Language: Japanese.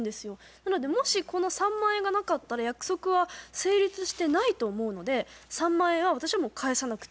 なのでもしこの３万円がなかったら約束は成立してないと思うので３万円は私はもう返さなくていいと思いますね。